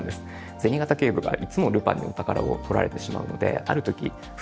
銭形警部がいつもルパンにお宝をとられてしまうのである時風